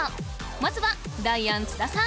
まずはダイアン津田さん！